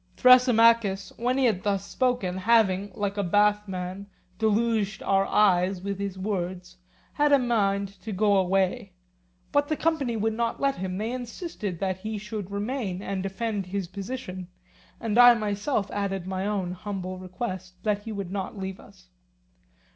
Thrasymachus, when he had thus spoken, having, like a bath man, deluged our ears with his words, had a mind to go away. But the company would not let him; they insisted that he should remain and defend his position; and I myself added my own humble request that he would not leave us.